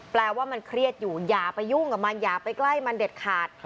แปลว่ามันเครียดอยู่อย่าไปยุ่งกับมันอย่าไปใกล้มันเด็ดขาด